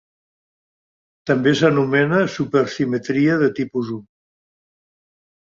També s'anomena supersimetria de tipus I.